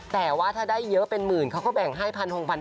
แต่ว่าถ้าได้เยอะเป็นหมื่นเขาก็แบ่งให้๑๖๐๐